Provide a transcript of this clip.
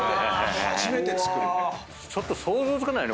ちょっと想像つかないね。